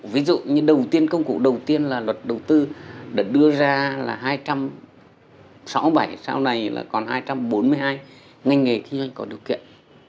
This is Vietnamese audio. ví dụ như đầu tiên công cụ đầu tiên là luật đầu tư đã đưa ra là hai trăm sáu mươi bảy sau này là còn hai trăm bốn mươi hai ngành nghề kinh doanh có điều kiện